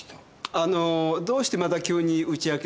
あのーどうしてまた急に打ち明ける気に？